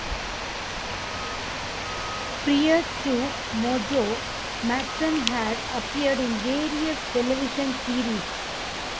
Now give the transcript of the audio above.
Prior to "Mojo", Matheson had appeared in various television series.